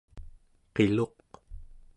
qiluq